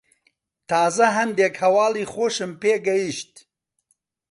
تازە هەندێک هەواڵی خۆشم پێ گەیشت.